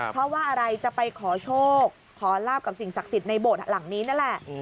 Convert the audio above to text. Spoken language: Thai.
เพราะว่าอะไรจะไปขอโชคขอลาบกับสิ่งศักดิ์สิทธิ์ในโบสถ์หลังนี้นั่นแหละ